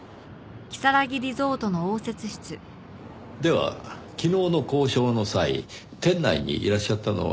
では昨日の交渉の際店内にいらっしゃったのは？